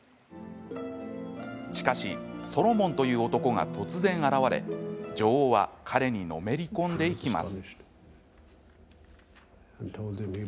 しかし、ソロモンという男が突然現れ、女王は彼にのめり込んでいきます。